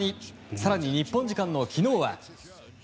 更に、日本時間の昨日は。